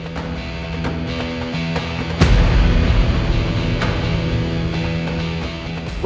jangan sampai dia bisa kaget